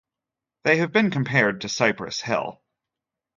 They have been compared to Cypress Hill.